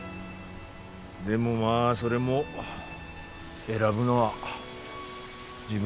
でもまあそれも選ぶのは自分だ。